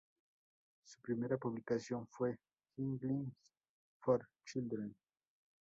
Su primera publicación fue Highlights for Children.